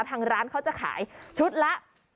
ทางร้านเขาจะขายชุดละ